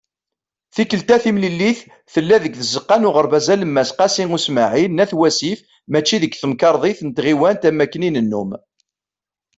Tikelt-a, timlilit tella-d deg Tzeqqa n Uɣerbaz Alemmas "Qasi Usmaɛil" n At Wasif mačči deg Temkarḍit n Tɣiwant am wakken i nennum.